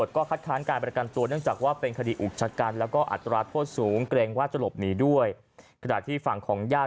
จะให้ผู้ต้องหาออกมาเดี๋ยวมันก็ออกมาไม่ได้นะครับ